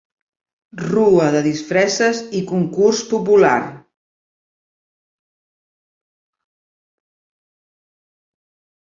Rua de disfresses i concurs popular.